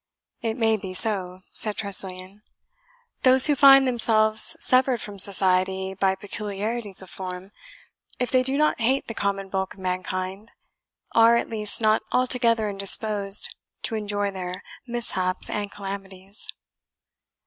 "It may be so," said Tressilian; "those who find themselves severed from society by peculiarities of form, if they do not hate the common bulk of mankind, are at least not altogether indisposed to enjoy their mishaps and calamities."